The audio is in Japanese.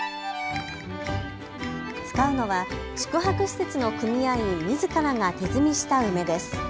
使うのは宿泊施設の組合員みずからが手摘みした梅です。